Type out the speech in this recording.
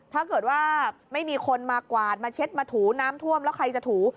ถ้าเกิดว่าไม่มีคนมากวาดมาเช็ดมาถูน้ำท่วมแล้วใครจะถู